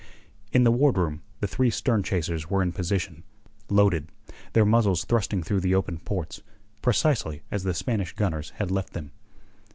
In the ward room the three stern chasers were in position, loaded, their muzzles thrusting through the open ports, precisely as the Spanish gunners had left them.